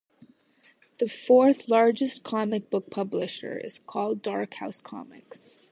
The fourth largest comic book publisher is called Dark Horse Comics.